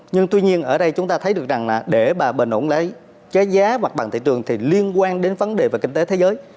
nhưng tuy nhiên ở đây chúng ta thấy được rằng là để bình ổn giá hoặc bằng thị trường thì liên quan đến vấn đề về kinh tế thế giới